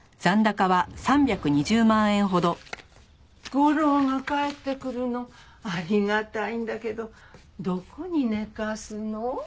吾良が帰ってくるのありがたいんだけどどこに寝かすの？